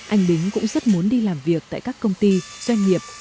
anh bính cũng rất muốn đi làm việc tại các công ty doanh nghiệp